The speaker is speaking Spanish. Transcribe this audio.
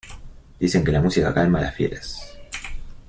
Dicen que la música calma a las fieras.